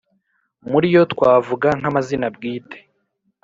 muri yo twavuga nk’amazina bwite,